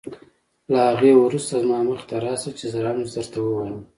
له هغې وروسته زما مخې ته راشه چې رمز درته ووایم.